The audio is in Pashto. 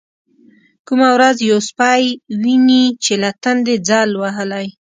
کومه ورځ يو سپى ويني چې له تندې ځل وهلى.